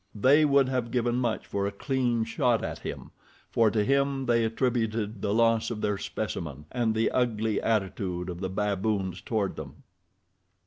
They would have given much for a clean shot at him, for to him they attributed the loss of their specimen and the ugly attitude of the baboons toward them.